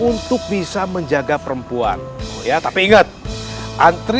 untuk bisa menjaga perempuan ya tapi inget anterin lilis ke rumahnya dengan selama lima jam